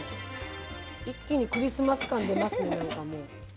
一気にクリスマス感が出ますね。